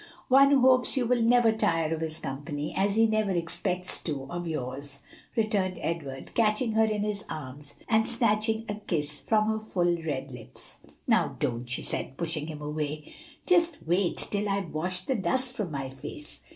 "One who hopes you will never tire of his company, as he never expects to of yours," returned Edward, catching her in his arms and snatching a kiss from her full red lips. "Now don't," she said, pushing him away, "just wait till I've washed the dust from my face.